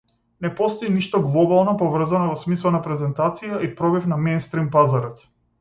Не постои ништо глобално поврзано во смисла на презентација и пробив на меинстрим пазарот.